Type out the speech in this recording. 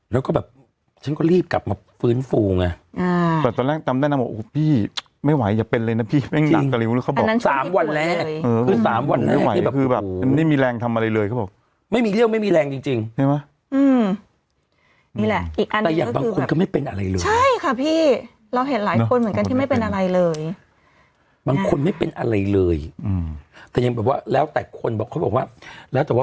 แล้วก็แบบฉันก็รีบกลับมาฟื้นฟูไงแต่ตอนแรกจำได้นั่งว่าพี่ไม่ไหวอย่าเป็นเลยนะพี่แม่งหนักตะลิ้วแล้วเขาบอก๓วันแรกคือแบบนี่มีแรงทำอะไรเลยเขาบอกไม่มีเรื่องไม่มีแรงจริงใช่ไหมแต่อย่างบางคนก็ไม่เป็นอะไรเลยใช่ค่ะพี่เราเห็นหลายคนเหมือนกันที่ไม่เป็นอะไรเลยบางคนไม่เป็นอะไรเลยแต่ยังแบบว่าแล้วแต่คนเขาบอกว่าแล้วแต